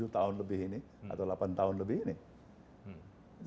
tujuh tahun lebih ini atau delapan tahun lebih ini